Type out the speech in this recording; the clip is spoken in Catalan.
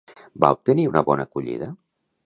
Va obtenir una bona acollida?